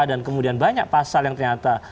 dan kemudian banyak pasal yang ternyata